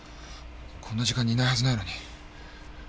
この時間にいないはずないのに。